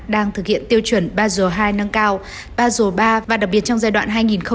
đang thực hiện tiêu chuẩn ba rùa hai nâng cao ba rùa ba và đặc biệt trong giai đoạn hai nghìn hai mươi hai hai nghìn hai mươi ba